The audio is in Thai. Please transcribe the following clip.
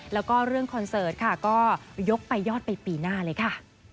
แล้วก็เรื่องคอนเสิร์ตค่ะก็ยกไปยอดไปปีหน้าเลยค่ะ